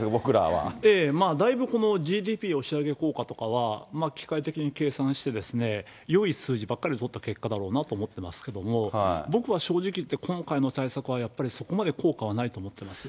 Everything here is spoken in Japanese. だいぶこのＧＤＰを押し上げ効果とかは、機械的に計算してですね、よい数字ばかり取った結果だろうなと思ってますけど、僕は正直いって、今回の対策はやっぱりそこまで効果はないと思ってます。